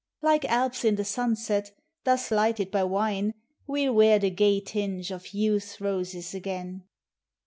Like Alps in the sunset, thus lighted by wine, We '11 wear the gay tinge of Youth's roses again.